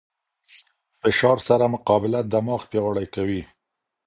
فشار سره مقابله دماغ پیاوړی کوي.